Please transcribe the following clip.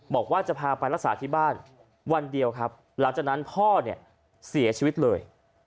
บอกว่าจะพาไปรักษาที่บ้านวันเดียวครับหลังจากนั้นพ่อเนี่ยเสียชีวิตเลย